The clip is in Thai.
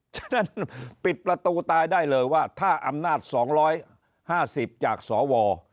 ฉะนั้นปิดประตูตายได้เลยว่าถ้าอำนาจ๒๕๐จากสว